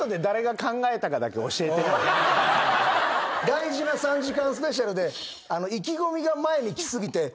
大事な３時間スペシャルで。